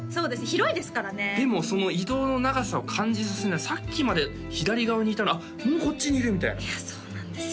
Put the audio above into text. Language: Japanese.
広いですからねでもその移動の長さを感じさせないさっきまで左側にいたのにあっもうこっちにいるみたいないやそうなんですよ